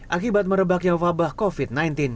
akibat merebaknya wabah covid sembilan belas